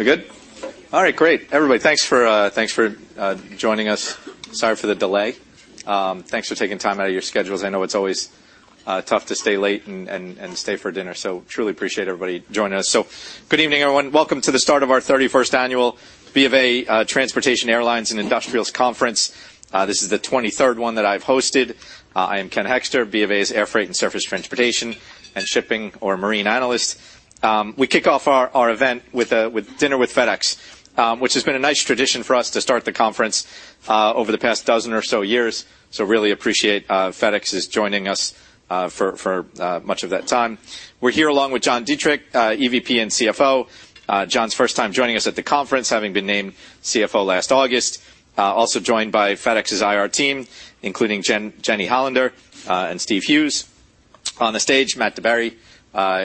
We're good? All right, great. Everybody, thanks for, thanks for, joining us. Sorry for the delay. Thanks for taking time out of your schedules. I know it's always tough to stay late and stay for dinner, so truly appreciate everybody joining us. So good evening, everyone. Welcome to the start of our 31st annual BofA Transportation, Airlines, and Industrials Conference. This is the 23rd one that I've hosted. I am Ken Hoexter, BofA's Air Freight and Surface Transportation and Shipping or Marine Analyst. We kick off our event with dinner with FedEx, which has been a nice tradition for us to start the conference over the past dozen or so years. So really appreciate FedEx's joining us for much of that time. We're here along with John Dietrich, EVP and CFO. John's first time joining us at the conference, having been named CFO last August. Also joined by FedEx's IR team, including Jeni Hollander and Steve Hughes. On the stage, Matt DeBerry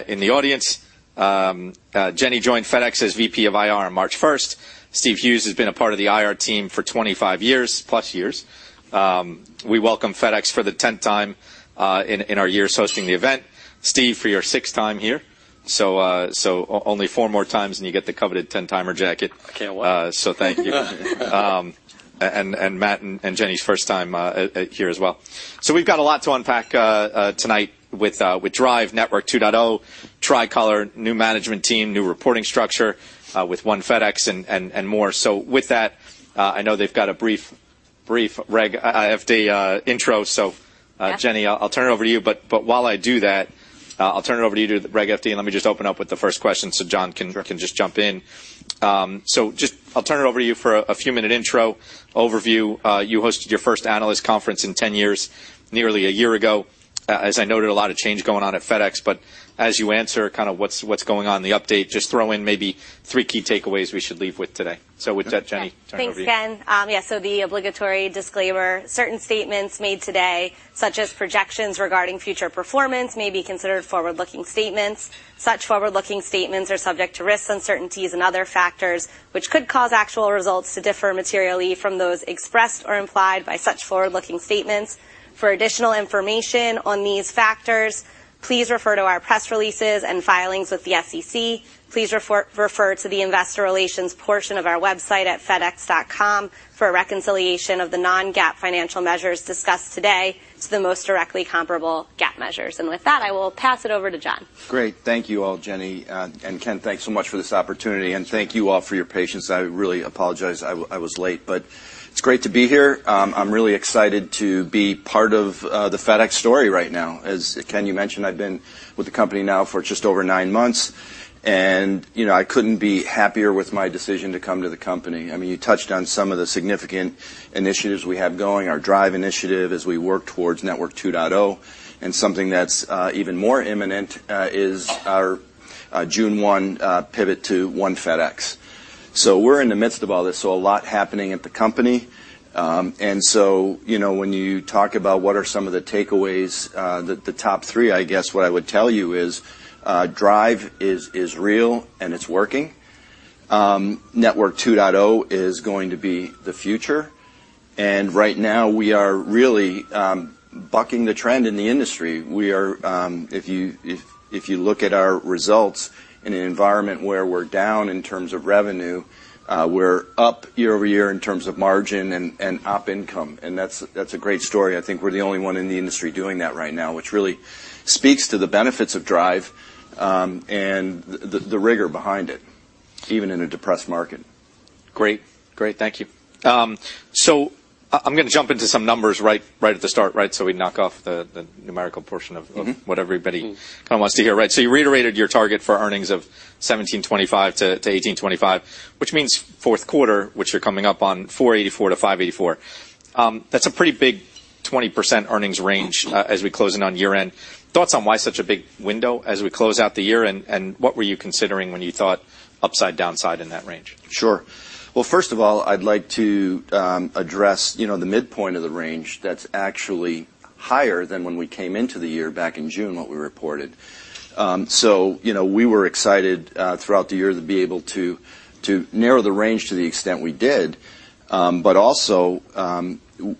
in the audience. Jeni joined FedEx as VP of IR on March first. Steve Hughes has been a part of the IR team for 25 years, plus years. We welcome FedEx for the 10th time in our years hosting the event. Steve, for your 6th time here, only four more times, and you get the coveted 10-timer jacket. I can't wait. So thank you. Matt and Jeni's first time here as well. So we've got a lot to unpack tonight with DRIVE Network 2.0, Tricolor, new management team, new reporting structure, with One FedEx and more. So with that, I know they've got a brief Reg FD intro. So- Yep... Jeni, I'll turn it over to you. But while I do that, I'll turn it over to you to do the Reg FD, and let me just open up with the first question so John can- Sure. Can just jump in. So just I'll turn it over to you for a few-minute intro, overview. You hosted your first analyst conference in 10 years, nearly a year ago. As I noted, a lot of change going on at FedEx, but as you answer kind of what's going on in the update, just throw in maybe three key takeaways we should leave with today. So with that, Jeni- Yeah. Turn it over to you. Thanks, Ken. Yeah, so the obligatory disclaimer, certain statements made today, such as projections regarding future performance, may be considered forward-looking statements. Such forward-looking statements are subject to risks, uncertainties, and other factors, which could cause actual results to differ materially from those expressed or implied by such forward-looking statements. For additional information on these factors, please refer to our press releases and filings with the SEC. Please refer to the investor relations portion of our website at fedex.com for a reconciliation of the non-GAAP financial measures discussed today to the most directly comparable GAAP measures. With that, I will pass it over to John. Great. Thank you all, Jeni, and Ken, thanks so much for this opportunity, and thank you all for your patience. I really apologize I was late, but it's great to be here. I'm really excited to be part of the FedEx story right now. As Ken, you mentioned, I've been with the company now for just over nine months, and you know, I couldn't be happier with my decision to come to the company. I mean, you touched on some of the significant initiatives we have going, our DRIVE initiative as we work towards Network 2.0, and something that's even more imminent is our June 1 pivot to One FedEx. So we're in the midst of all this, so a lot happening at the company. And so, you know, when you talk about what are some of the takeaways, the top three, I guess what I would tell you is, DRIVE is real and it's working. Network 2.0 is going to be the future, and right now we are really bucking the trend in the industry. We are. If you look at our results in an environment where we're down in terms of revenue, we're up year-over-year in terms of margin and op income, and that's a great story. I think we're the only one in the industry doing that right now, which really speaks to the benefits of DRIVE and the rigor behind it, even in a depressed market. Great. Great, thank you. So I'm gonna jump into some numbers right, right at the start, right, so we knock off the numerical portion of- Mm-hmm... what everybody- Mm kind of wants to hear, right? So you reiterated your target for earnings of $17.25-$18.25, which means fourth quarter, which you're coming up on $4.84-$5.84. That's a pretty big 20% earnings range as we close in on year-end. Thoughts on why such a big window as we close out the year, and what were you considering when you thought upside, downside in that range? Sure. Well, first of all, I'd like to address, you know, the midpoint of the range that's actually higher than when we came into the year back in June, what we reported. So you know, we were excited throughout the year to be able to narrow the range to the extent we did, but also,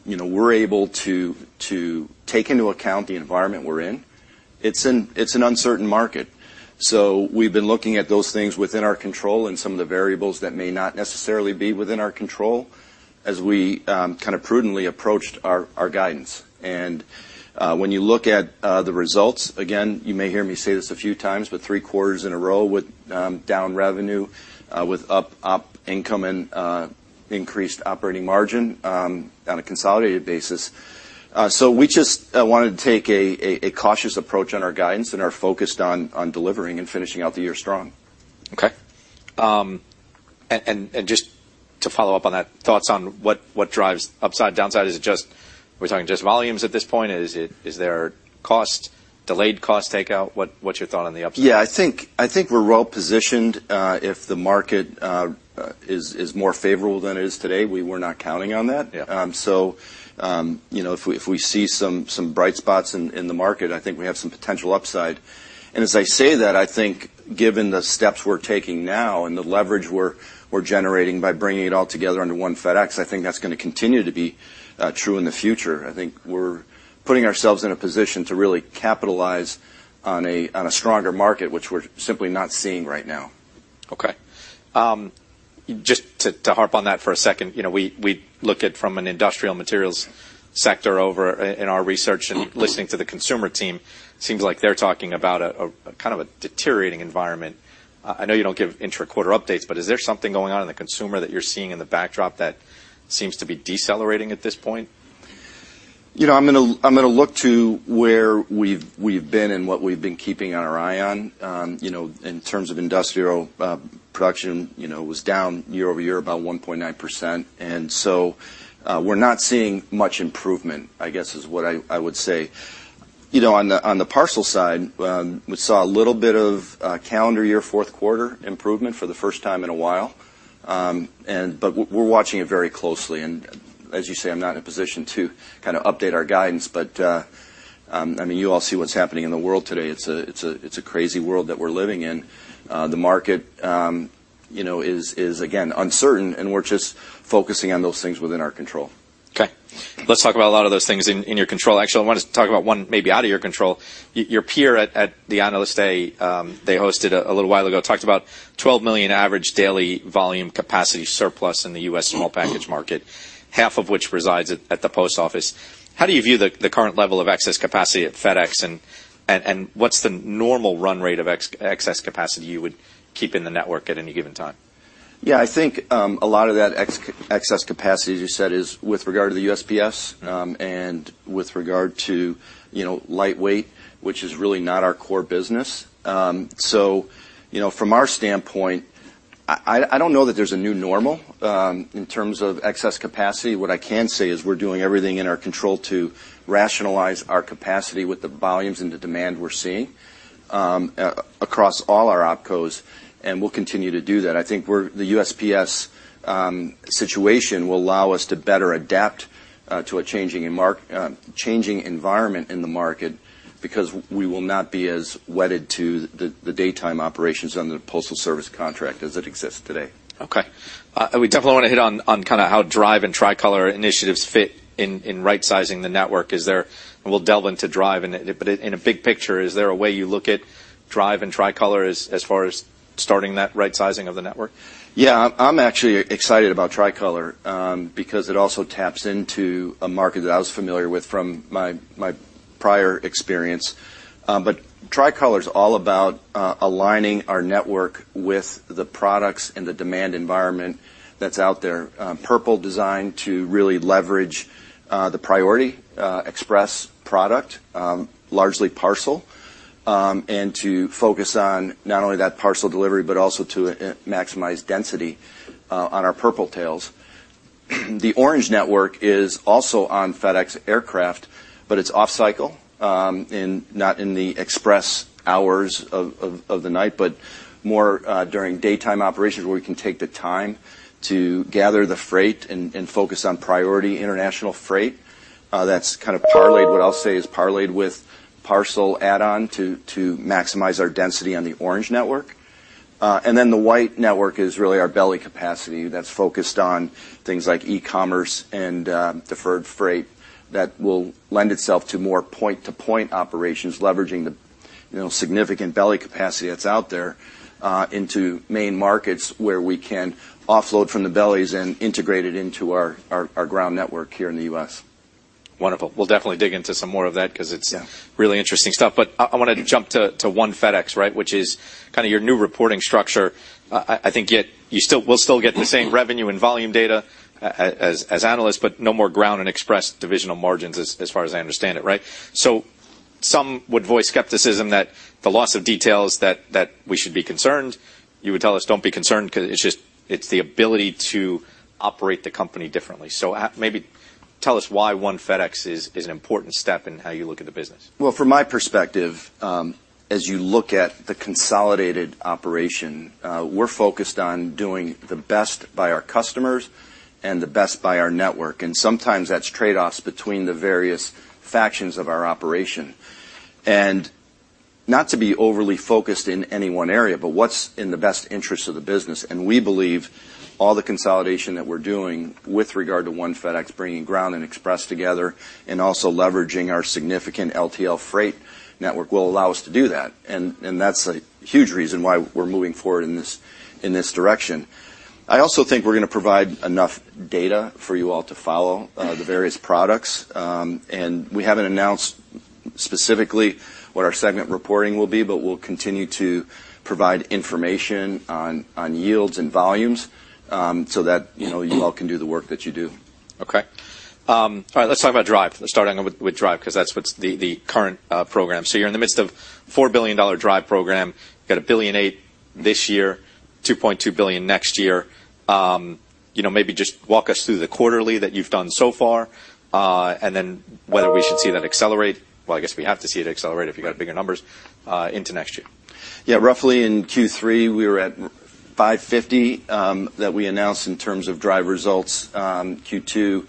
you know, we're able to take into account the environment we're in. It's an uncertain market, so we've been looking at those things within our control and some of the variables that may not necessarily be within our control as we kind of prudently approached our guidance. And, when you look at the results, again, you may hear me say this a few times, but three quarters in a row with down revenue, with up op income and increased operating margin on a consolidated basis. So we just wanted to take a cautious approach on our guidance and are focused on delivering and finishing out the year strong. Okay. And just to follow up on that, thoughts on what drives upside, downside? Is it just... Are we talking just volumes at this point? Is it, is there cost, delayed cost takeout? What's your thought on the upside? Yeah, I think we're well positioned, if the market is more favorable than it is today. We were not counting on that. Yeah. So, you know, if we see some bright spots in the market, I think we have some potential upside. And as I say that, I think given the steps we're taking now and the leverage we're generating by bringing it all together under One FedEx. I think that's gonna continue to be true in the future. I think we're putting ourselves in a position to really capitalize on a stronger market, which we're simply not seeing right now. Okay. Just to harp on that for a second. You know, we look at from an industrial materials sector over in our research and listening to the consumer team. Seems like they're talking about a kind of a deteriorating environment. I know you don't give intra-quarter updates, but is there something going on in the consumer that you're seeing in the backdrop that seems to be decelerating at this point? You know, I'm gonna look to where we've been and what we've been keeping our eye on. You know, in terms of industrial production, you know, was down year-over-year, about 1.9%. And so, we're not seeing much improvement, I guess, is what I would say. You know, on the parcel side, we saw a little bit of calendar year, fourth quarter improvement for the first time in a while. And but we're watching it very closely, and as you say, I'm not in a position to kind of update our guidance. But, I mean, you all see what's happening in the world today. It's a crazy world that we're living in. The market, you know, is again uncertain, and we're just focusing on those things within our control. Okay. Let's talk about a lot of those things in your control. Actually, I want to talk about one maybe out of your control. Your peer at the Analyst Day they hosted a little while ago talked about 12 million average daily volume capacity surplus in the U.S. small package market, half of which resides at the post office. How do you view the current level of excess capacity at FedEx? And what's the normal run rate of excess capacity you would keep in the network at any given time? Yeah, I think, a lot of that excess capacity, as you said, is with regard to the USPS, and with regard to, you know, lightweight, which is really not our core business. So you know, from our standpoint, I don't know that there's a new normal, in terms of excess capacity. What I can say is we're doing everything in our control to rationalize our capacity with the volumes and the demand we're seeing, across all our opcos, and we'll continue to do that. I think the USPS situation will allow us to better adapt, to a changing environment in the market, because we will not be as wedded to the daytime operations under the postal service contract as it exists today. Okay. We definitely want to hit on, on kind of how DRIVE and Tricolor initiatives fit in, in right-sizing the network. Is there... We'll delve into DRIVE in a bit, but in, in a big picture, is there a way you look at DRIVE and Tricolor as, as far as starting that right-sizing of the network? Yeah. I'm actually excited about Tricolor, because it also taps into a market that I was familiar with from my prior experience. But Tricolor is all about aligning our network with the products and the demand environment that's out there. Purple designed to really leverage the Priority Express product, largely parcel. And to focus on not only that parcel delivery, but also to maximize density on our Purple Tails. The Orange Network is also on FedEx aircraft, but it's off cycle, and not in the express hours of the night, but more during daytime operations, where we can take the time to gather the freight and focus on priority international freight. That's kind of parlayed—what I'll say is parlayed with parcel add-on to maximize our density on the Orange Network. And then the White Network is really our belly capacity that's focused on things like e-commerce and deferred freight. That will lend itself to more point-to-point operations, leveraging the, you know, significant belly capacity that's out there into main markets, where we can offload from the bellies and integrate it into our Ground network here in the U.S. Wonderful. We'll definitely dig into some more of that, 'cause it's- Yeah... really interesting stuff. But I wanted to jump to One FedEx, right, which is kind of your new reporting structure. I think you still will still get the same revenue and volume data as analysts, but no more Ground and Express divisional margins, as far as I understand it, right? So some would voice skepticism that the loss of details that we should be concerned. You would tell us, don't be concerned, 'cause it's just it's the ability to operate the company differently. So maybe tell us why One FedEx is an important step in how you look at the business. Well, from my perspective, as you look at the consolidated operation, we're focused on doing the best by our customers and the best by our network, and sometimes that's trade-offs between the various factions of our operation. Not to be overly focused in any one area, but what's in the best interest of the business, and we believe all the consolidation that we're doing with regard to One FedEx, bringing Ground and Express together, and also leveraging our significant LTL Freight network, will allow us to do that. And that's a huge reason why we're moving forward in this direction. I also think we're gonna provide enough data for you all to follow the various products. We haven't announced specifically what our segment reporting will be, but we'll continue to provide information on yields and volumes, so that, you know, you all can do the work that you do. Okay. All right, let's talk about DRIVE. Let's start with DRIVE, 'cause that's what's the current program. So you're in the midst of a $4 billion DRIVE program. You got $1.8 billion this year, $2.2 billion next year. You know, maybe just walk us through the quarterly that you've done so far, and then whether we should see that accelerate. Well, I guess we have to see it accelerate if you've got bigger numbers into next year. Yeah, roughly in Q3, we were at $550 million that we announced in terms of DRIVE results. Q2,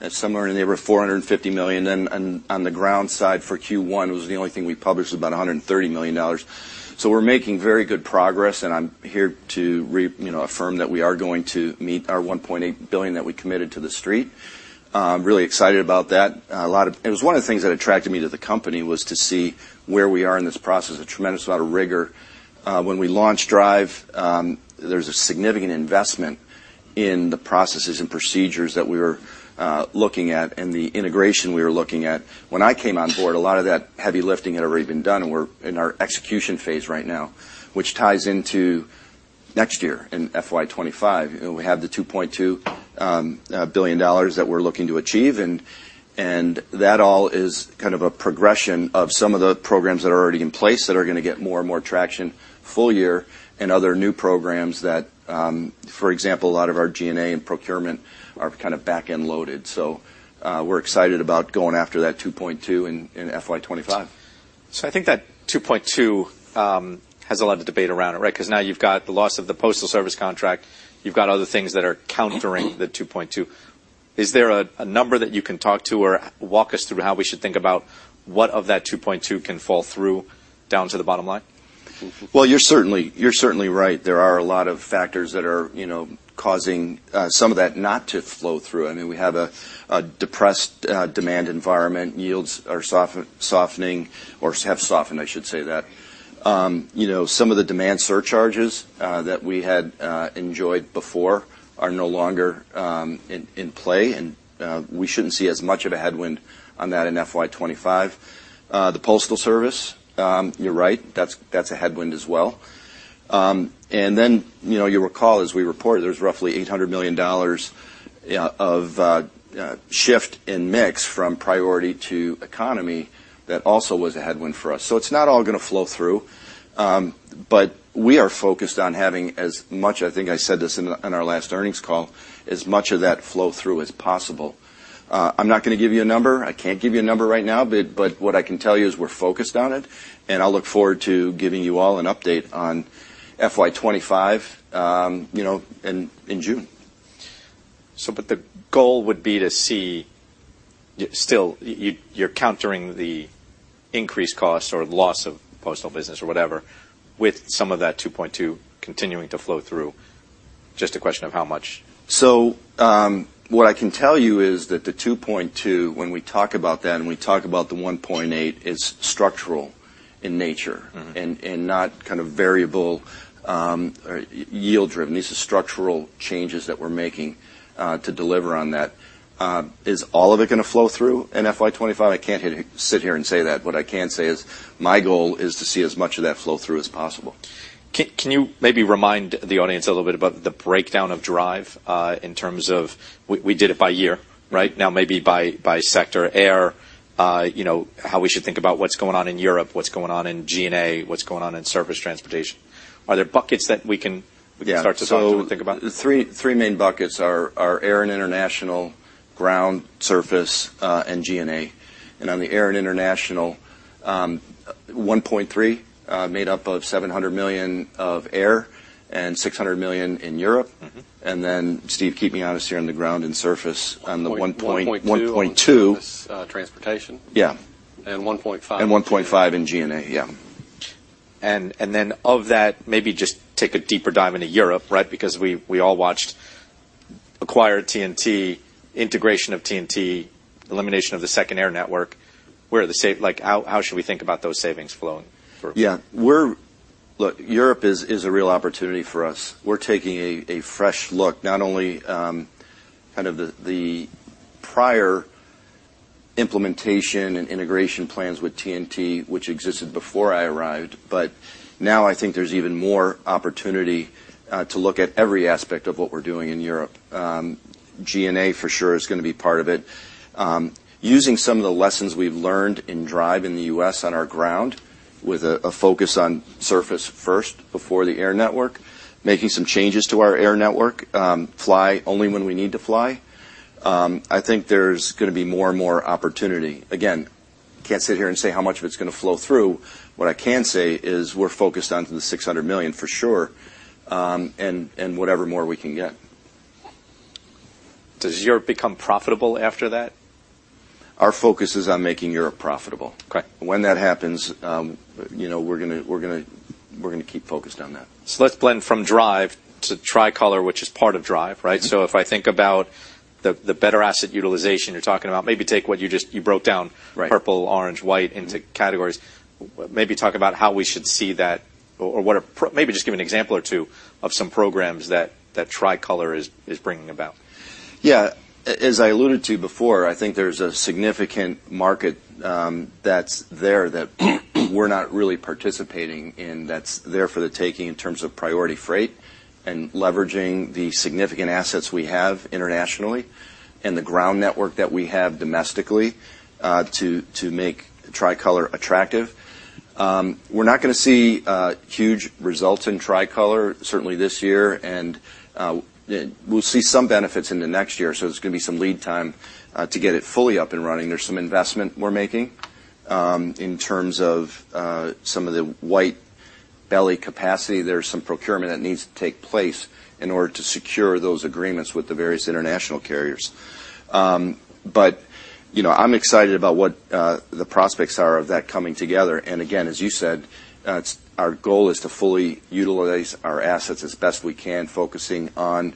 at somewhere in the neighborhood of $450 million. And on the ground side for Q1, it was the only thing we published, was about $130 million. So we're making very good progress, and I'm here to, you know, affirm that we are going to meet our $1.8 billion that we committed to the street. Really excited about that. A lot of. It was one of the things that attracted me to the company was to see where we are in this process, a tremendous amount of rigor. When we launched DRIVE, there's a significant investment in the processes and procedures that we were looking at and the integration we were looking at. When I came on board, a lot of that heavy lifting had already been done, and we're in our execution phase right now, which ties into next year in FY 2025. We have the $2.2 billion that we're looking to achieve, and that all is kind of a progression of some of the programs that are already in place that are going to get more and more traction full year, and other new programs that, for example, a lot of our G&A and procurement are kind of back-end loaded. So, we're excited about going after that 2.2 in FY 2025. So I think that 2.2 has a lot of debate around it, right? Because now you've got the loss of the Postal Service contract, you've got other things that are countering the 2.2. Is there a number that you can talk to or walk us through how we should think about what of that 2.2 can fall through down to the bottom line? Well, you're certainly, you're certainly right. There are a lot of factors that are, you know, causing some of that not to flow through. I mean, we have a depressed demand environment. Yields are softening or have softened, I should say that. You know, some of the demand surcharges that we had enjoyed before are no longer in play, and we shouldn't see as much of a headwind on that in FY 2025. The Postal Service, you're right, that's a headwind as well. And then, you know, you recall, as we reported, there's roughly $800 million of shift in mix from Priority to Economy. That also was a headwind for us. So it's not all going to flow through, but we are focused on having as much, I think I said this in, in our last earnings call, as much of that flow through as possible. I'm not going to give you a number. I can't give you a number right now, but what I can tell you is we're focused on it, and I'll look forward to giving you all an update on FY 2025, you know, in, in June. So, but the goal would be to see still, you're countering the increased costs or loss of postal business or whatever, with some of that 2.2 continuing to flow through. Just a question of how much. What I can tell you is that the 2.2, when we talk about that, and we talk about the 1.8, is structural in nature. Mm-hmm... and not kind of variable, or yield-driven. These are structural changes that we're making to deliver on that. Is all of it going to flow through in FY 2025? I can't sit here and say that. What I can say is my goal is to see as much of that flow through as possible. Can you maybe remind the audience a little bit about the breakdown of DRIVE, in terms of we did it by year, right? Now, maybe by sector, air, you know, how we should think about what's going on in Europe, what's going on in G&A, what's going on in surface transportation. Are there buckets that we can- Yeah We can start to think about? The three main buckets are air and international, ground, surface, and G&A. And on the air and international, $1.3 billion made up of $700 million of air and $600 million in Europe. Mm-hmm. And then, Steve, keeping honest here on the ground and surface on the one point- 1.2. 1.2. Ground surface transportation. Yeah. And 1.5- And 1.5 in G&A, yeah. And then of that, maybe just take a deeper dive into Europe, right? Because we all watched acquired TNT, integration of TNT, elimination of the second air network. Where are the savings—like, how should we think about those savings flowing? Yeah, we're. Look, Europe is a real opportunity for us. We're taking a fresh look, not only kind of the prior implementation and integration plans with TNT, which existed before I arrived, but now I think there's even more opportunity to look at every aspect of what we're doing in Europe. G&A, for sure, is going to be part of it. Using some of the lessons we've learned in DRIVE in the U.S. on our ground, with a focus on surface first before the air network, making some changes to our air network, fly only when we need to fly. I think there's going to be more and more opportunity. Again, can't sit here and say how much of it's going to flow through. What I can say is we're focused on to the $600 million for sure, and whatever more we can get. Does Europe become profitable after that? Our focus is on making Europe profitable. Okay. When that happens, you know, we're gonna keep focused on that. Let's blend from DRIVE to Tricolor, which is part of DRIVE, right? Mm-hmm. So if I think about the better asset utilization you're talking about, maybe take what you just—you broke down- Right... purple, orange, white into categories. Maybe talk about how we should see that, or what are—maybe just give an example or two of some programs that that Tricolor is bringing about. Yeah. As I alluded to before, I think there's a significant market that's there that we're not really participating in that's there for the taking in terms of priority freight and leveraging the significant assets we have internationally and the Ground network that we have domestically to make Tricolor attractive. We're not gonna see huge results in Tricolor certainly this year and we'll see some benefits in the next year so it's gonna be some lead time to get it fully up and running. There's some investment we're making in terms of some of the White belly capacity. There's some procurement that needs to take place in order to secure those agreements with the various international carriers. But you know I'm excited about what the prospects are of that coming together. And again, as you said, it's our goal is to fully utilize our assets as best we can, focusing on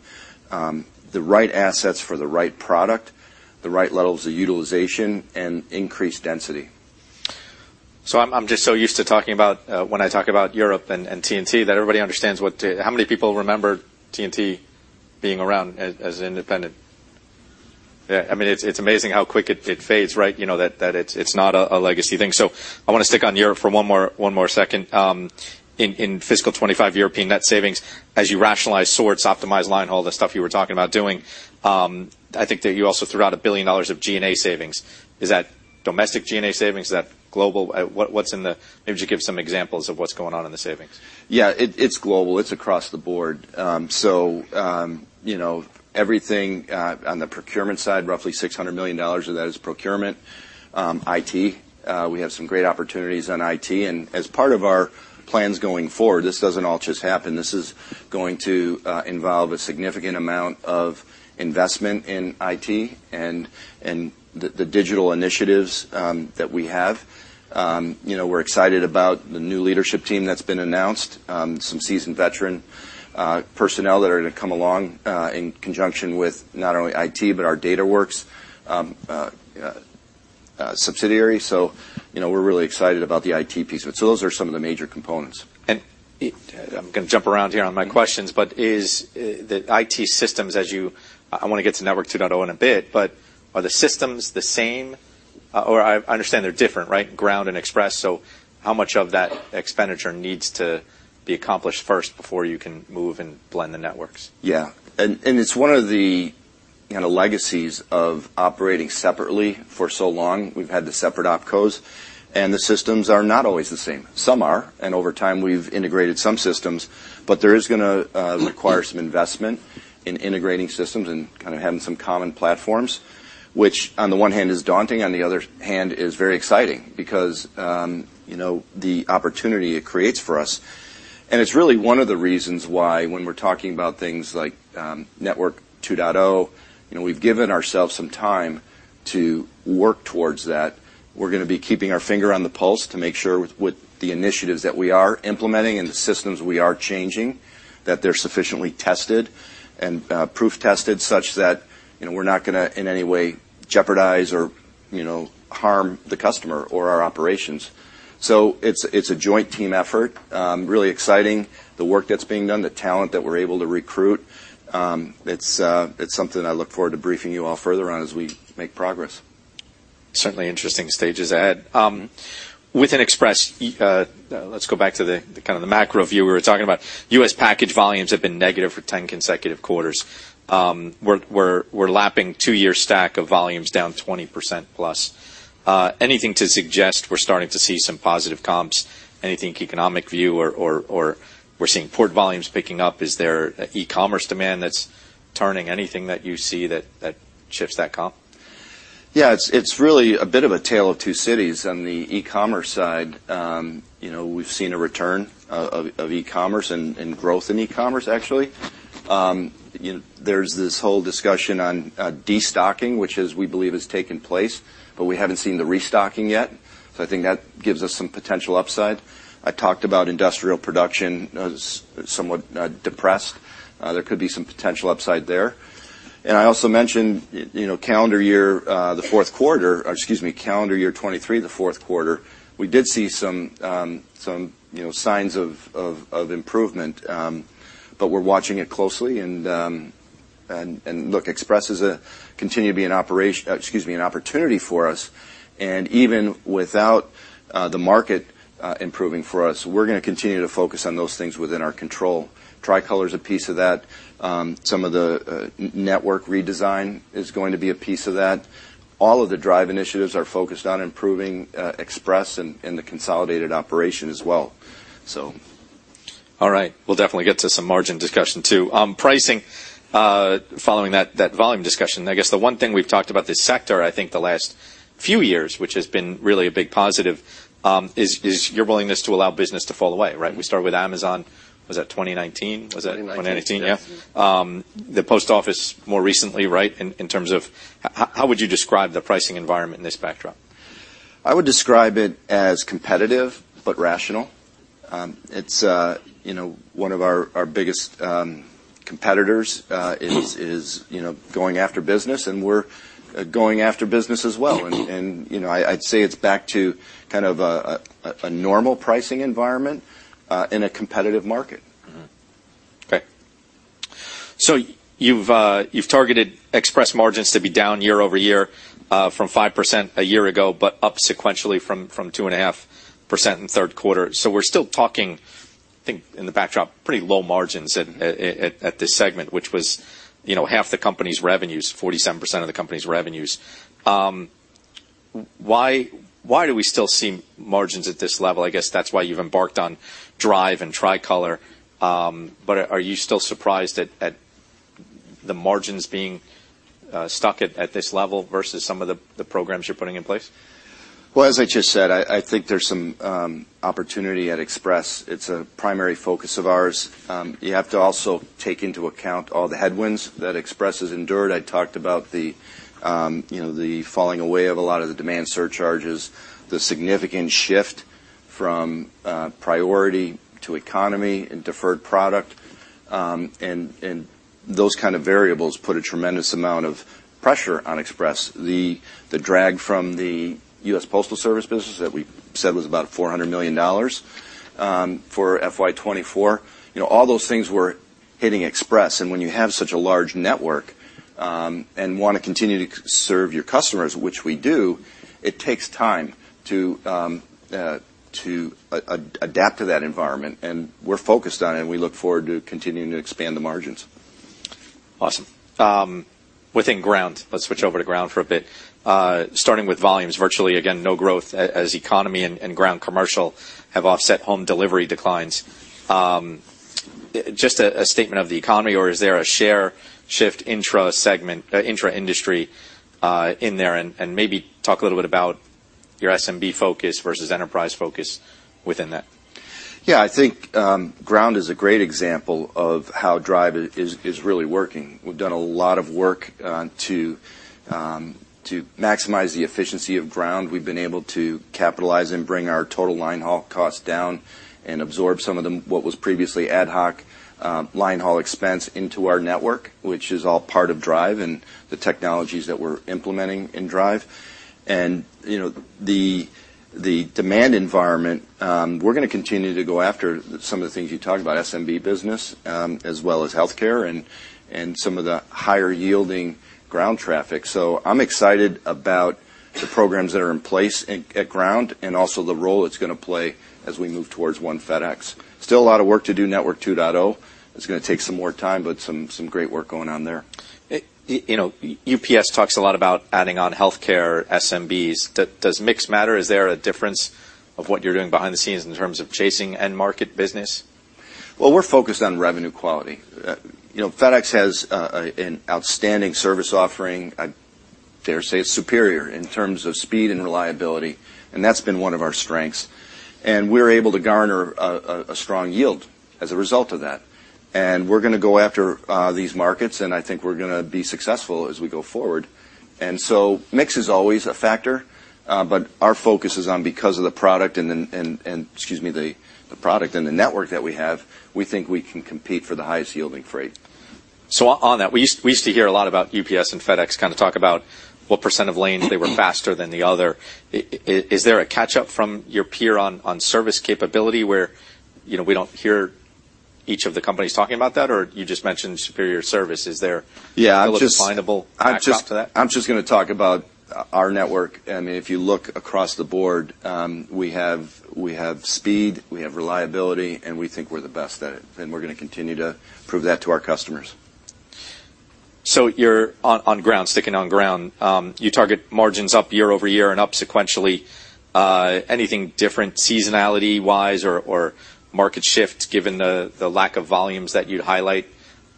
the right assets for the right product, the right levels of utilization, and increased density.... So I'm just so used to talking about when I talk about Europe and TNT, that everybody understands what the, how many people remember TNT being around as independent? Yeah, I mean, it's amazing how quick it fades, right? You know, that it's not a legacy thing. So I want to stick on Europe for one more second. In fiscal 2025 European net savings, as you rationalize sorts, optimize line, all the stuff you were talking about doing, I think that you also threw out $1 billion of G&A savings. Is that domestic G&A savings? Is that global? What's in the, maybe just give some examples of what's going on in the savings. Yeah, it's global. It's across the board. So, you know, everything on the procurement side, roughly $600 million of that is procurement. IT, we have some great opportunities on IT, and as part of our plans going forward, this doesn't all just happen. This is going to involve a significant amount of investment in IT and the digital initiatives that we have. You know, we're excited about the new leadership team that's been announced, some seasoned veteran personnel that are going to come along in conjunction with not only IT, but our Dataworks subsidiary. So, you know, we're really excited about the IT piece. So those are some of the major components. I'm gonna jump around here on my questions, but is the IT systems as you—I wanna get to Network 2.0 in a bit, but are the systems the same? Or I understand they're different, right? Ground and Express. So how much of that expenditure needs to be accomplished first before you can move and blend the networks? Yeah. And it's one of the, you know, legacies of operating separately for so long. We've had the separate opcos, and the systems are not always the same. Some are, and over time, we've integrated some systems, but there is gonna require some investment in integrating systems and kind of having some common platforms, which, on the one hand, is daunting, on the other hand, is very exciting because, you know, the opportunity it creates for us. And it's really one of the reasons why, when we're talking about things like, Network 2.0, you know, we've given ourselves some time to work towards that. We're gonna be keeping our finger on the pulse to make sure with the initiatives that we are implementing and the systems we are changing, that they're sufficiently tested and proof-tested, such that, you know, we're not gonna, in any way, jeopardize or, you know, harm the customer or our operations. So it's a joint team effort, really exciting, the work that's being done, the talent that we're able to recruit. It's something I look forward to briefing you all further on as we make progress. Certainly interesting stages ahead. Within Express, let's go back to the kind of the macro view we were talking about. U.S. package volumes have been negative for 10 consecutive quarters. We're lapping two-year stack of volumes down 20%+. Anything to suggest we're starting to see some positive comps, anything economic view or we're seeing port volumes picking up? Is there e-commerce demand that's turning? Anything that you see that shifts that comp? Yeah, it's, it's really a bit of a tale of two cities. On the e-commerce side, you know, we've seen a return of e-commerce and growth in e-commerce, actually. You know, there's this whole discussion on destocking, which is, we believe, has taken place, but we haven't seen the restocking yet. So I think that gives us some potential upside. I talked about industrial production as somewhat depressed. There could be some potential upside there. And I also mentioned, you know, calendar year, the fourth quarter, or excuse me, calendar year 2023, the fourth quarter, we did see some signs of improvement. But we're watching it closely, and look, Express continues to be an opportunity for us. Even without the market improving for us, we're gonna continue to focus on those things within our control. Tricolor is a piece of that. Some of the network redesign is going to be a piece of that. All of the DRIVE initiatives are focused on improving Express and the consolidated operation as well. So... All right. We'll definitely get to some margin discussion, too. Pricing, following that, that volume discussion, I guess the one thing we've talked about this sector, I think the last few years, which has been really a big positive, is your willingness to allow business to fall away, right? We started with Amazon. Was that 2019? 2019. Was that 2019? Yeah. The post office more recently, right, in, in terms of how would you describe the pricing environment in this backdrop? I would describe it as competitive but rational. It's you know, one of our biggest competitors you know, is going after business, and we're going after business as well. You know, I'd say it's back to kind of a normal pricing environment in a competitive market. Mm-hmm. Okay. So you've targeted Express margins to be down year-over-year from 5% a year ago, but up sequentially from 2.5% in the third quarter. So we're still talking, I think, in the backdrop, pretty low margins at this segment, which was, you know, half the company's revenues, 47% of the company's revenues. Why do we still see margins at this level? I guess that's why you've embarked on DRIVE and Tricolor. But are you still surprised at the margins being stuck at this level versus some of the programs you're putting in place? Well, as I just said, I think there's some opportunity at Express. It's a primary focus of ours. You have to also take into account all the headwinds that Express has endured. I talked about the you know, the falling away of a lot of the demand surcharges, the significant shift from priority to economy and deferred product. And those kind of variables put a tremendous amount of pressure on Express. The drag from the U.S. Postal Service business that we said was about $400 million for FY 2024. You know, all those things were hitting Express, and when you have such a large network, and want to continue to serve your customers, which we do, it takes time to adapt to that environment, and we're focused on it, and we look forward to continuing to expand the margins. Awesome. Within Ground, let's switch over to Ground for a bit. Starting with volumes, virtually, again, no growth as economy and Ground Commercial have offset Home Delivery declines. Just a statement of the economy, or is there a share shift intra-segment, intra-industry, in there? And maybe talk a little bit about your SMB focus versus enterprise focus within that. Yeah, I think, Ground is a great example of how DRIVE is really working. We've done a lot of work to maximize the efficiency of Ground. We've been able to capitalize and bring our total line haul costs down and absorb some of the, what was previously ad hoc, line haul expense into our network, which is all part of DRIVE and the technologies that we're implementing in DRIVE. And, you know, the demand environment, we're going to continue to go after some of the things you talked about, SMB business, as well as healthcare and some of the higher-yielding Ground traffic. So I'm excited about the programs that are in place at Ground and also the role it's going to play as we move towards One FedEx. Still a lot of work to do, Network 2.0. It's going to take some more time, but some great work going on there. You know, UPS talks a lot about adding on healthcare SMBs. Does mix matter? Is there a difference of what you're doing behind the scenes in terms of chasing end-market business? Well, we're focused on revenue quality. You know, FedEx has an outstanding service offering. I dare say it's superior in terms of speed and reliability, and that's been one of our strengths, and we're able to garner a strong yield as a result of that. And we're going to go after these markets, and I think we're going to be successful as we go forward. And so mix is always a factor, but our focus is on because of the product and, excuse me, the product and the network that we have, we think we can compete for the highest-yielding freight. So on that, we used to hear a lot about UPS and FedEx kind of talk about what percent of lanes they were faster than the other. Is there a catch-up from your peer on service capability where, you know, we don't hear each of the companies talking about that, or you just mentioned superior service. Is there- Yeah, I'm just- A definable backdrop to that? I'm just going to talk about our network, and if you look across the board, we have speed, we have reliability, and we think we're the best at it, and we're going to continue to prove that to our customers. So you're on ground, sticking on ground. You target margins up year over year and up sequentially. Anything different seasonality-wise or market shifts given the lack of volumes that you'd highlight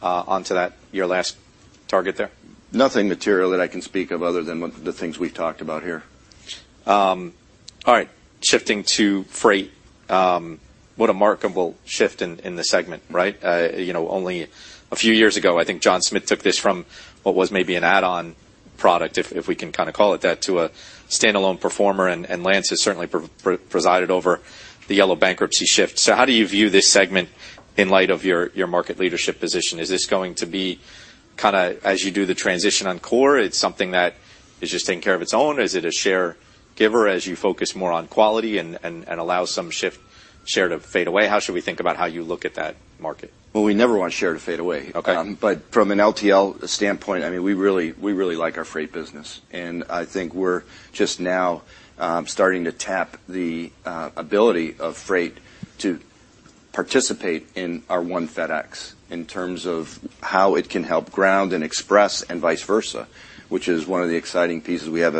onto that, your last target there? Nothing material that I can speak of other than the things we've talked about here. All right. Shifting to freight, what a remarkable shift in the segment, right? You know, only a few years ago, I think John Smith took this from what was maybe an add-on product, if we can kind of call it that, to a standalone performer, and Lance has certainly presided over the Yellow bankruptcy shift. So how do you view this segment in light of your market leadership position? Is this going to be kind of as you do the transition on core, it's something that is just taking care of its own? Is it a share giver as you focus more on quality and allow some shift share to fade away? How should we think about how you look at that market? Well, we never want share to fade away. Okay. But from an LTL standpoint, I mean, we really, we really like our freight business, and I think we're just now starting to tap the ability of freight to participate in our One FedEx in terms of how it can help Ground and Express and vice versa, which is one of the exciting pieces. We have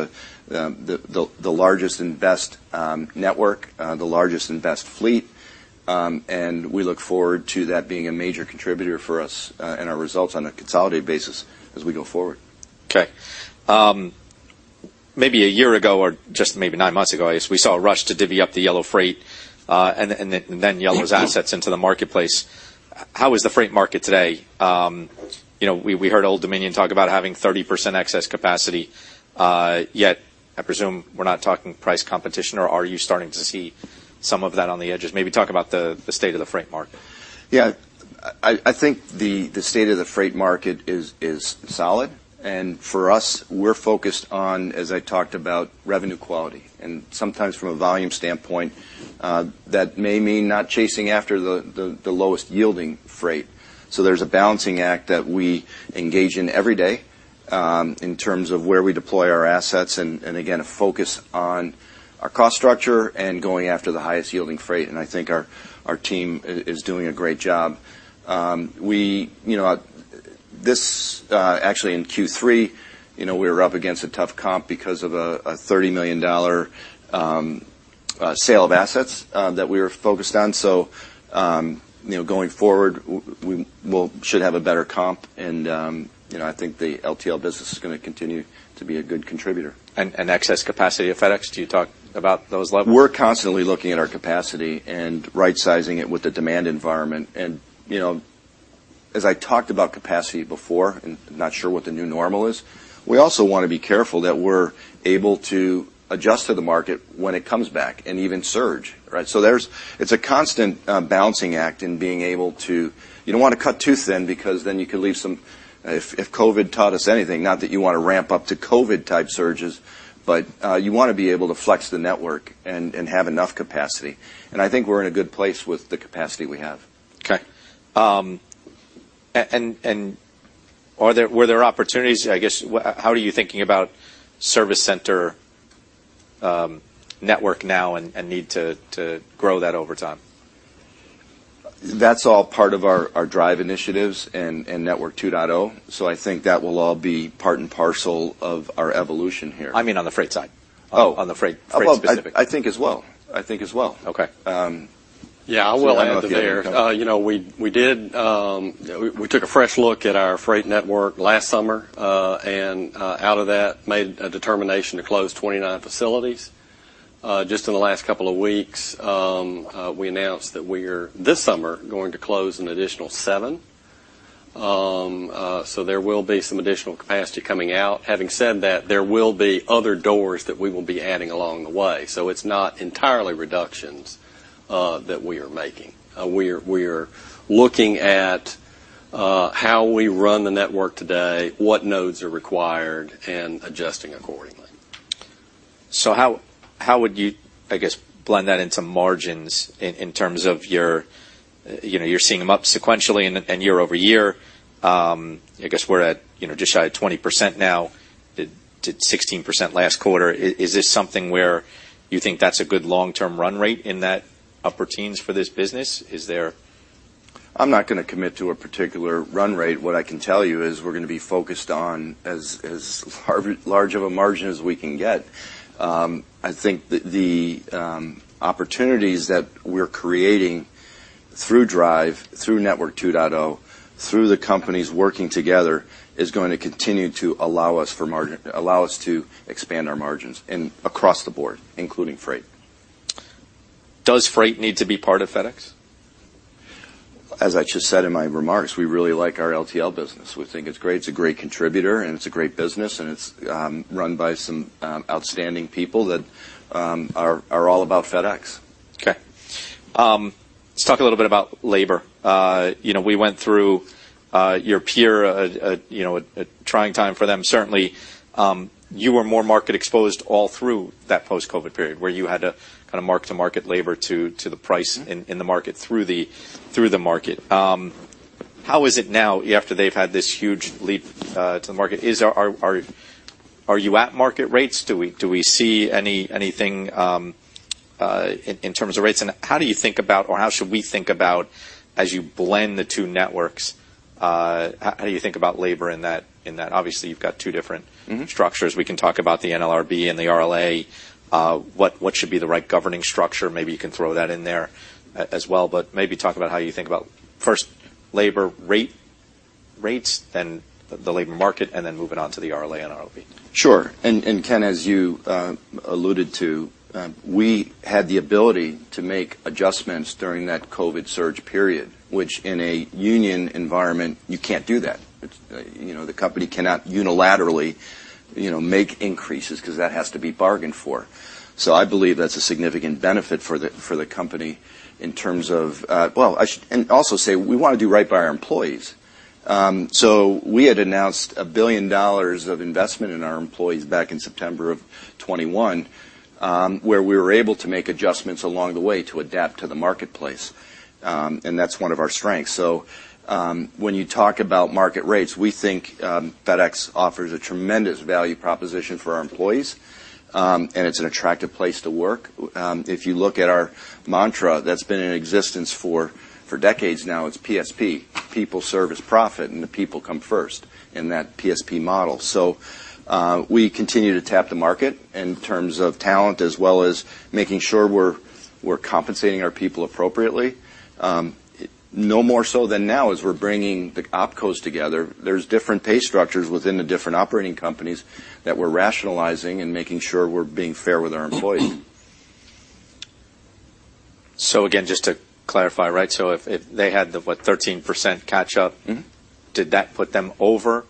the largest and best network, the largest and best fleet, and we look forward to that being a major contributor for us in our results on a consolidated basis as we go forward. Okay. Maybe a year ago, or just maybe nine months ago, I guess, we saw a rush to divvy up the Yellow Freight, and then Yellow's assets into the marketplace. How is the freight market today? You know, we heard Old Dominion talk about having 30% excess capacity, yet I presume we're not talking price competition, or are you starting to see some of that on the edges? Maybe talk about the state of the freight market. Yeah. I think the state of the freight market is solid, and for us, we're focused on, as I talked about, revenue quality, and sometimes from a volume standpoint, that may mean not chasing after the lowest-yielding freight. So there's a balancing act that we engage in every day, in terms of where we deploy our assets, and again, a focus on our cost structure and going after the highest-yielding freight. And I think our team is doing a great job. You know, this actually, in Q3, you know, we were up against a tough comp because of a $30 million sale of assets that we were focused on. So, you know, going forward, we will should have a better comp, and, you know, I think the LTL business is going to continue to be a good contributor. Excess capacity of FedEx, do you talk about those levels? We're constantly looking at our capacity and right-sizing it with the demand environment. And, you know, as I talked about capacity before, and I'm not sure what the new normal is, we also want to be careful that we're able to adjust to the market when it comes back, and even surge, right? So it's a constant balancing act in being able to, you don't want to cut too thin, because then you could leave some, if COVID taught us anything, not that you want to ramp up to COVID-type surges, but, you want to be able to flex the network and have enough capacity. And I think we're in a good place with the capacity we have. Okay. And, were there opportunities—I guess, how are you thinking about service center network now and need to grow that over time? That's all part of our DRIVE initiatives and Network 2.0, so I think that will all be part and parcel of our evolution here. I mean, on the freight side. Oh. On the freight, freight specific. Oh, well, I think as well. I think as well. Okay. Um- Yeah, I will add to there. Go ahead. You know, we took a fresh look at our Freight network last summer, and out of that, made a determination to close 29 facilities. Just in the last couple of weeks, we announced that we're this summer going to close an additional seven. So there will be some additional capacity coming out. Having said that, there will be other doors that we will be adding along the way. So it's not entirely reductions that we are making. We're looking at how we run the network today, what nodes are required, and adjusting accordingly. So how would you, I guess, blend that into margins in terms of your... You know, you're seeing them up sequentially and year over year. I guess we're at, you know, just shy of 20% now, down to 16% last quarter. Is this something where you think that's a good long-term run rate in that upper teens for this business? Is there- I'm not going to commit to a particular run rate. What I can tell you is, we're going to be focused on as large of a margin as we can get. I think the opportunities that we're creating through DRIVE, through Network 2.0, through the companies working together, is going to continue to allow us to expand our margins across the board, including freight. Does freight need to be part of FedEx? As I just said in my remarks, we really like our LTL business. We think it's great. It's a great contributor, and it's a great business, and it's run by some outstanding people that are all about FedEx. Okay. Let's talk a little bit about labor. You know, we went through your peer, you know, a trying time for them. Certainly, you were more market exposed all through that post-COVID period, where you had to kind of mark-to-market labor to the price- Mm-hmm... in the market through the market. How is it now, after they've had this huge leap to the market? Are you at market rates? Do we see anything in terms of rates? And how do you think about or how should we think about, as you blend the two networks, how do you think about labor in that? Obviously, you've got two different- Mm-hmm... structures. We can talk about the NLRB and the RLA. What should be the right governing structure? Maybe you can throw that in there as well, but maybe talk about how you think about, first, labor rate, rates, then the labor market, and then moving on to the RLA and NLRB. Sure. And Ken, as you alluded to, we had the ability to make adjustments during that COVID surge period, which in a union environment, you can't do that. It's, you know, the company cannot unilaterally, you know, make increases, 'cause that has to be bargained for. So I believe that's a significant benefit for the company in terms of... Well, I should, and also say, we want to do right by our employees. So we had announced $1 billion of investment in our employees back in September of 2021, where we were able to make adjustments along the way to adapt to the marketplace. And that's one of our strengths. So, when you talk about market rates, we think, FedEx offers a tremendous value proposition for our employees, and it's an attractive place to work. If you look at our mantra, that's been in existence for decades now, it's PSP: People-Service-Profit, and the people come first in that PSP model. So, we continue to tap the market in terms of talent, as well as making sure we're compensating our people appropriately. No more so than now, as we're bringing the opcos together. There's different pay structures within the different operating companies that we're rationalizing and making sure we're being fair with our employees. So again, just to clarify, right? So if they had the, what, 13% catch-up- Mm-hmm. Did that put them over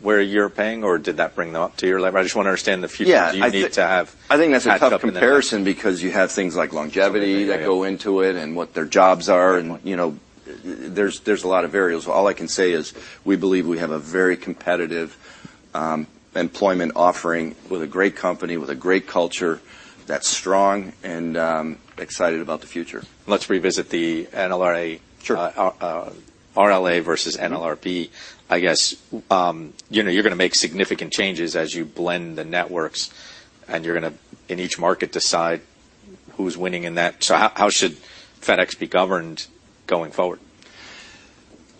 where you're paying, or did that bring them up to your level? I just want to understand the future. Yeah, I think- Do you need to have- I think that's a tough comparison, because you have things like longevity that go into it, and what their jobs are, and, you know, there's a lot of variables. All I can say is, we believe we have a very competitive employment offering with a great company, with a great culture that's strong and excited about the future. Let's revisit the NLRA- Sure... RLA versus NLRB. I guess, you know, you're going to make significant changes as you blend the networks, and you're going to, in each market, decide who's winning in that. So how should FedEx be governed going forward?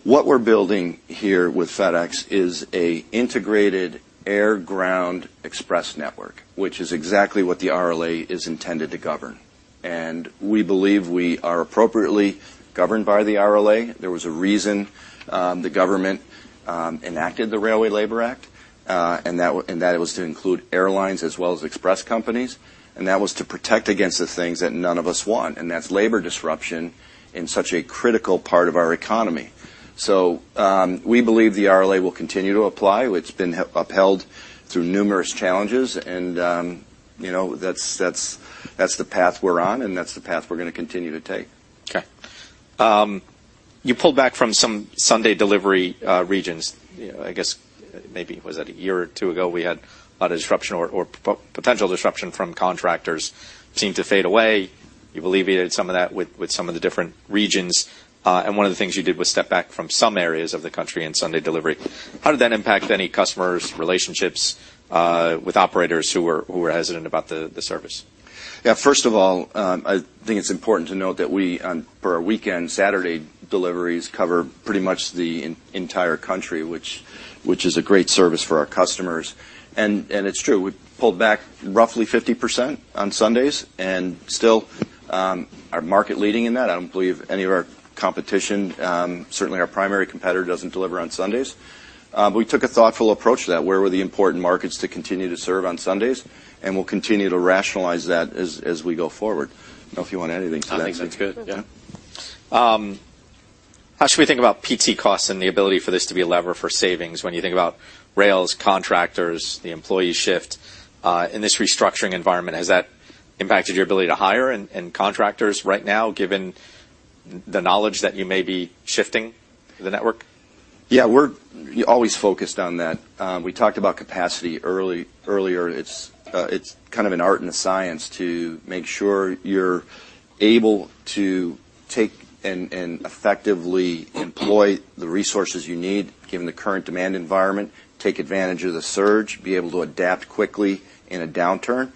What we're building here with FedEx is a integrated air-ground express network, which is exactly what the RLA is intended to govern, and we believe we are appropriately governed by the RLA. There was a reason, the government enacted the Railway Labor Act, and that and that it was to include airlines as well as express companies, and that was to protect against the things that none of us want, and that's labor disruption in such a critical part of our economy. So, we believe the RLA will continue to apply, which been upheld through numerous challenges, and, you know, that's, that's, that's the path we're on, and that's the path we're gonna continue to take. Okay. You pulled back from some Sunday delivery regions. I guess maybe was that a year or two ago? We had a lot of disruption or potential disruption from contractors seemed to fade away. You've alleviated some of that with some of the different regions, and one of the things you did was step back from some areas of the country on Sunday delivery. How did that impact any customers, relationships with operators who were hesitant about the service? Yeah, first of all, I think it's important to note that we offer our weekend Saturday deliveries cover pretty much the entire country, which is a great service for our customers. And it's true, we pulled back roughly 50% on Sundays, and still are market leading in that. I don't believe any of our competition, certainly our primary competitor, doesn't deliver on Sundays. But we took a thoughtful approach to that. Where were the important markets to continue to serve on Sundays? And we'll continue to rationalize that as we go forward. I don't know if you want anything to that. I think that's good. Yeah. How should we think about PT costs and the ability for this to be a lever for savings? When you think about rails, contractors, the employee shift, in this restructuring environment, has that impacted your ability to hire and contractors right now, given the knowledge that you may be shifting the network? Yeah, we're always focused on that. We talked about capacity earlier. It's kind of an art and a science to make sure you're able to take and effectively employ the resources you need, given the current demand environment, take advantage of the surge, be able to adapt quickly in a downturn,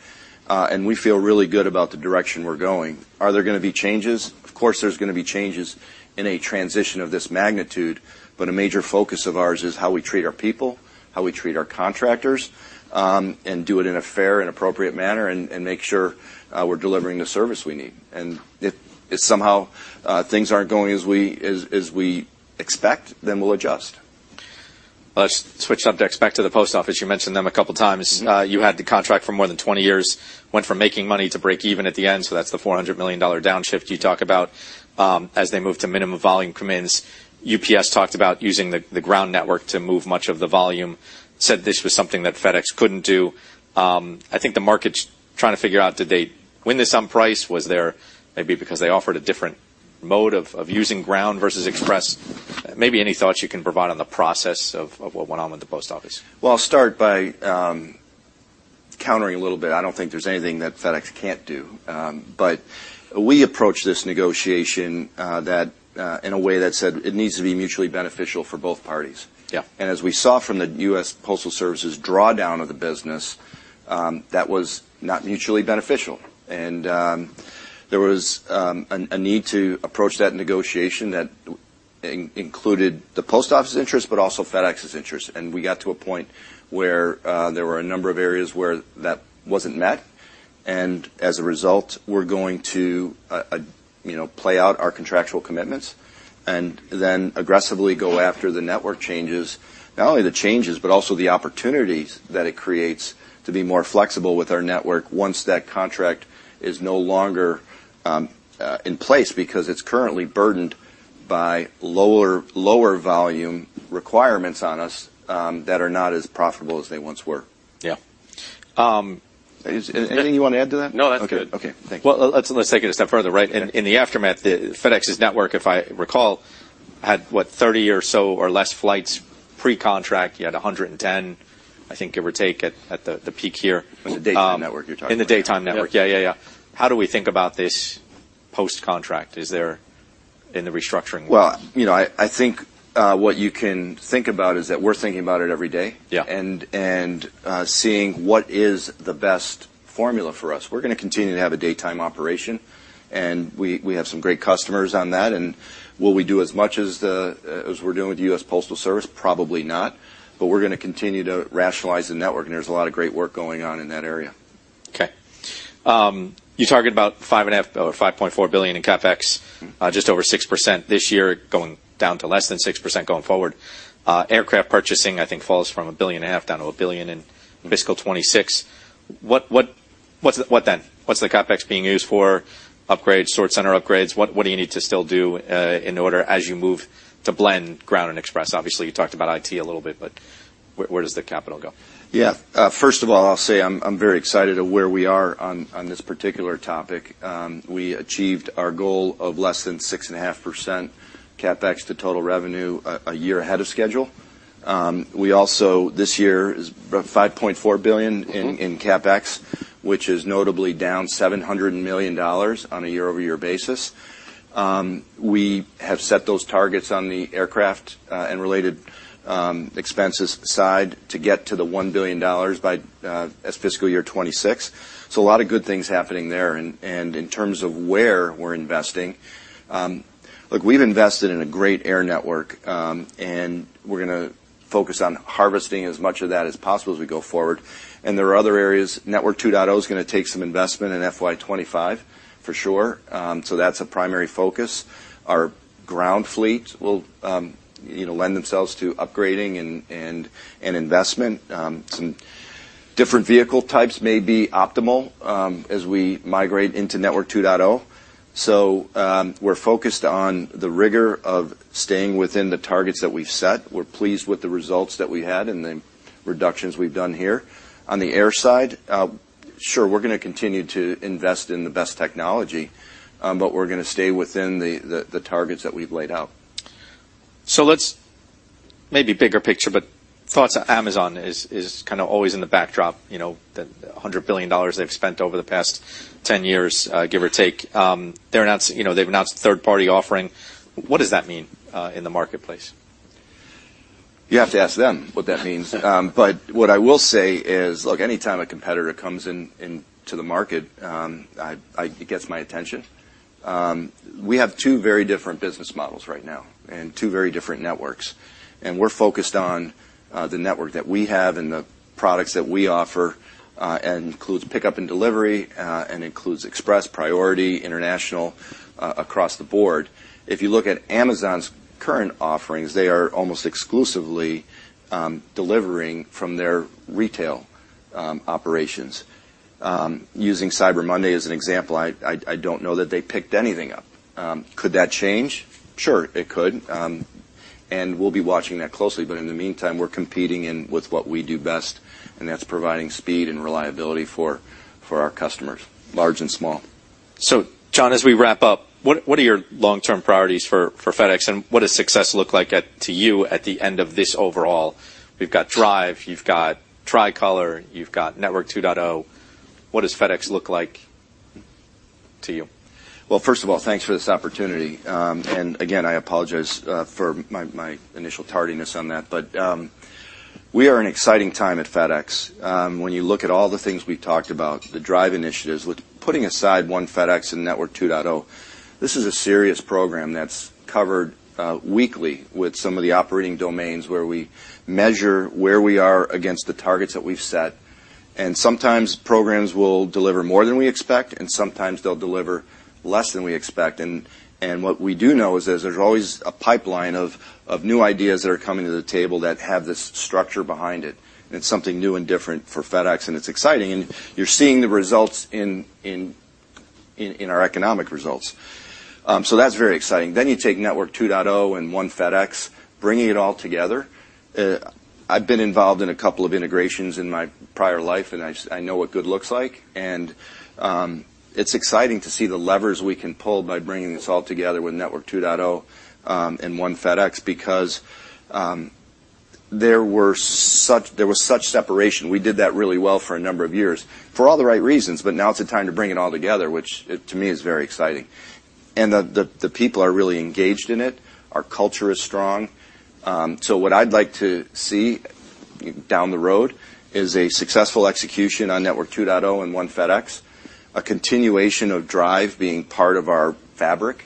and we feel really good about the direction we're going. Are there gonna be changes? Of course, there's gonna be changes in a transition of this magnitude, but a major focus of ours is how we treat our people, how we treat our contractors, and do it in a fair and appropriate manner, and make sure we're delivering the service we need. If somehow things aren't going as we expect, then we'll adjust. Let's switch subjects back to the post office. You mentioned them a couple of times. Mm-hmm. You had the contract for more than 20 years, went from making money to break even at the end. So that's the $400 million downshift you talk about, as they move to minimum volume commitments. UPS talked about using the Ground network to move much of the volume, said this was something that FedEx couldn't do. I think the market's trying to figure out, did they win this on price? Was there maybe because they offered a different mode of using ground versus express? Maybe any thoughts you can provide on the process of what went on with the post office. Well, I'll start by countering a little bit. I don't think there's anything that FedEx can't do. But we approached this negotiation in a way that said it needs to be mutually beneficial for both parties. Yeah. As we saw from the U.S. Postal Service's drawdown of the business, that was not mutually beneficial. There was a need to approach that negotiation that included the post office's interest, but also FedEx's interest. We got to a point where there were a number of areas where that wasn't met, and as a result, we're going to, you know, play out our contractual commitments and then aggressively go after the network changes, not only the changes, but also the opportunities that it creates to be more flexible with our network once that contract is no longer in place, because it's currently burdened by lower volume requirements on us that are not as profitable as they once were. Yeah. Um- Anything you want to add to that? No, that's good. Okay. Thank you. Well, let's take it a step further, right? Yeah. In the aftermath, the FedEx's network, if I recall, had, what? 30 or so or less flights pre-contract. You had 110, I think, give or take, at the peak here. In the daytime network, you're talking? In the daytime network. Yeah. Yeah, yeah, yeah. How do we think about this post-contract? Is there in the restructuring? Well, you know, I think what you can think about is that we're thinking about it every day. Yeah. Seeing what is the best formula for us. We're gonna continue to have a daytime operation, and we have some great customers on that. Will we do as much as we're doing with the U.S. Postal Service? Probably not, but we're gonna continue to rationalize the network, and there's a lot of great work going on in that area. Okay. You targeted about $5.5 billion or $5.4 billion in CapEx, just over 6% this year, going down to less than 6% going forward. Aircraft purchasing, I think, falls from $1.5 billion down to $1 billion in fiscal 2026. What then? What's the CapEx being used for? Upgrades, sort center upgrades. What do you need to still do in order as you move to blend Ground and Express? Obviously, you talked about IT a little bit, but where does the capital go? Yeah. First of all, I'll say I'm very excited of where we are on this particular topic. We achieved our goal of less than 6.5% CapEx to total revenue a year ahead of schedule. We also, this year, is about $5.4 billion- Mm-hmm... in CapEx, which is notably down $700 million on a year-over-year basis. We have set those targets on the aircraft and related expenses side to get to the $1 billion by fiscal year 2026. So a lot of good things happening there. In terms of where we're investing, look, we've invested in a great air network and we're gonna focus on harvesting as much of that as possible as we go forward. There are other areas. Network 2.0 is gonna take some investment in FY 2025, for sure. So that's a primary focus. Our ground fleet will, you know, lend themselves to upgrading and investment. Some different vehicle types may be optimal as we migrate into Network 2.0. So, we're focused on the rigor of staying within the targets that we've set. We're pleased with the results that we had and the reductions we've done here. On the air side, sure, we're gonna continue to invest in the best technology, but we're gonna stay within the targets that we've laid out. So let's maybe bigger picture, but thoughts on Amazon is kinda always in the backdrop, you know, the $100 billion they've spent over the past 10 years, give or take. You know, they've announced third-party offering. What does that mean in the marketplace? You have to ask them what that means. But what I will say is, look, anytime a competitor comes in, into the market, it gets my attention. We have two very different business models right now and two very different networks, and we're focused on the network that we have and the products that we offer, and includes pickup and delivery, and includes Express, Priority, International, across the board. If you look at Amazon's current offerings, they are almost exclusively delivering from their retail operations. Using Cyber Monday as an example, I don't know that they picked anything up. Could that change? Sure, it could. We'll be watching that closely, but in the meantime, we're competing in with what we do best, and that's providing speed and reliability for our customers, large and small. So, John, as we wrap up, what are your long-term priorities for FedEx, and what does success look like to you at the end of this overall? You've got DRIVE, you've got Tricolor, you've got Network 2.0. What does FedEx look like to you? Well, first of all, thanks for this opportunity. And again, I apologize for my initial tardiness on that, but we are in an exciting time at FedEx. When you look at all the things we talked about, the DRIVE initiatives, with putting aside One FedEx and Network 2.0, this is a serious program that's covered weekly with some of the operating domains, where we measure where we are against the targets that we've set. And sometimes programs will deliver more than we expect, and sometimes they'll deliver less than we expect. And what we do know is that there's always a pipeline of new ideas that are coming to the table that have this structure behind it. It's something new and different for FedEx, and it's exciting, and you're seeing the results in our economic results. So that's very exciting. Then you take Network 2.0 and One FedEx, bringing it all together. I've been involved in a couple of integrations in my prior life, and I, I know what good looks like. And it's exciting to see the levers we can pull by bringing this all together with Network 2.0 and One FedEx because there was such separation. We did that really well for a number of years, for all the right reasons, but now it's the time to bring it all together, which to me is very exciting. And the people are really engaged in it. Our culture is strong. So what I'd like to see down the road is a successful execution on Network 2.0 and One FedEx, a continuation of DRIVE being part of our fabric,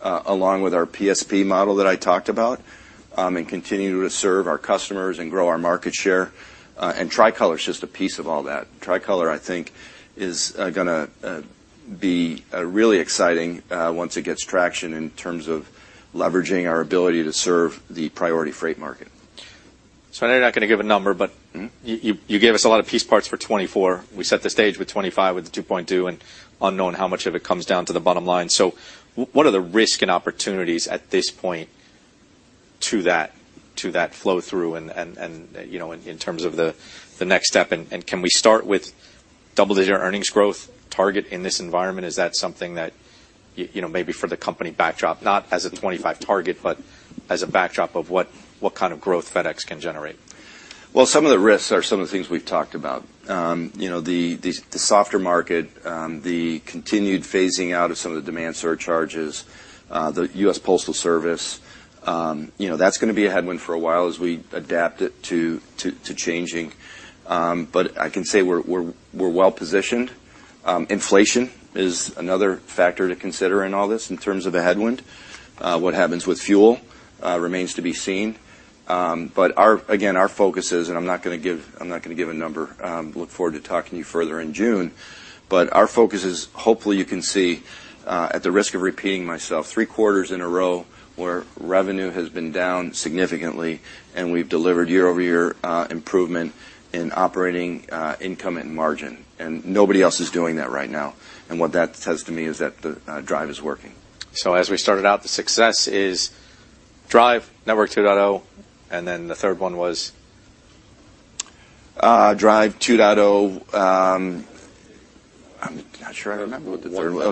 along with our PSP model that I talked about, and continue to serve our customers and grow our market share. Tricolor is just a piece of all that. Tricolor, I think, is gonna be really exciting, once it gets traction in terms of leveraging our ability to serve the priority freight market. I know you're not gonna give a number, but- Mm. You gave us a lot of piece parts for 2024. We set the stage with 2025, with the 2.2 and unknown how much of it comes down to the bottom line. So what are the risk and opportunities at this point to that flow through and you know, in terms of the next step, and can we start with double-digit earnings growth target in this environment? Is that something that you know, maybe for the company backdrop, not as a 2025 target, but as a backdrop of what kind of growth FedEx can generate? Well, some of the risks are some of the things we've talked about. You know, the softer market, the continued phasing out of some of the demand surcharges, the U.S. Postal Service, you know, that's gonna be a headwind for a while as we adapt it to changing. But I can say we're well positioned. Inflation is another factor to consider in all this in terms of a headwind. What happens with fuel remains to be seen. But our... Again, our focus is, and I'm not gonna give, I'm not gonna give a number. Look forward to talking to you further in June, but our focus is, hopefully, you can see, at the risk of repeating myself, three quarters in a row, where revenue has been down significantly, and we've delivered year-over-year improvement in operating income and margin, and nobody else is doing that right now. And what that says to me is that the DRIVE is working. As we started out, the success is DRIVE, Network 2.0, and then the third one was? DRIVE, 2.0. I'm not sure I remember what the third one was.